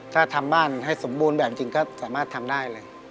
ถ้าทำบ้านให้สมบูรณ์แบบจริงก็สามารถทำได้เลย